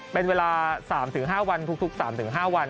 เป็นเวลา๓๕วันทุก๓๕วัน